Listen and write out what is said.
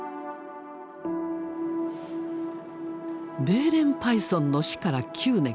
ベーレンパイソンの死から９年。